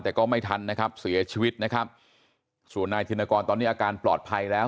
แต่ก็ไม่ทันนะครับเสียชีวิตนะครับส่วนนายธินกรตอนนี้อาการปลอดภัยแล้ว